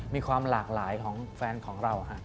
มีความหลากหลายของแฟนของเรา